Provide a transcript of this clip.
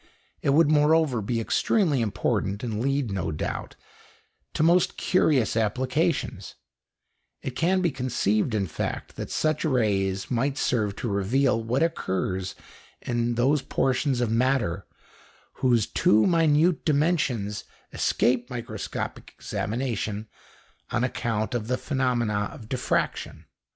It would, moreover, be extremely important, and lead, no doubt, to most curious applications; it can be conceived, in fact, that such rays might serve to reveal what occurs in those portions of matter whose too minute dimensions escape microscopic examination on account of the phenomena of diffraction.